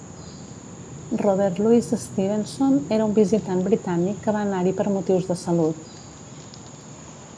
Robert Louis Stevenson era un visitant britànic que va anar-hi per motius de salut.